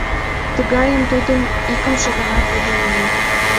Тыгайым тудым икымше гана тудо ужын.